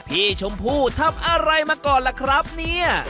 พี่ชมพู่ทำอะไรมาก่อนล่ะครับเนี่ย